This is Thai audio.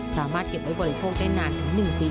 สามารถเก็บไว้บริโภคได้นานถึง๑ปี